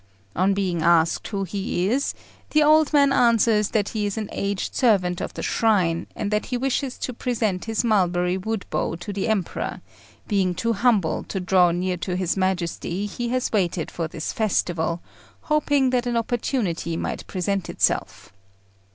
On being asked who he is, the old man answers that he is an aged servant of the shrine, and that he wishes to present his mulberry wood bow to the Emperor; being too humble to draw near to his Majesty he has waited for this festival, hoping that an opportunity might present itself.